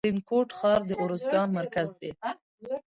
د ترینکوټ ښار د ارزګان مرکز دی